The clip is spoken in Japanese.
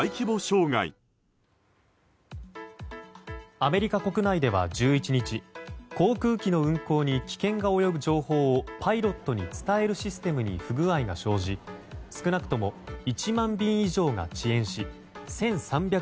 アメリカ国内では１１日航空機の運航に危険が及ぶ情報をパイロットに伝えるシステムに不具合が生じ少なくとも１万便以上が遅延し１３００